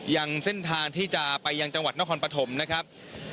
ยังเส้นทางที่จะไปยังจังหวัดนครปฐมนะครับ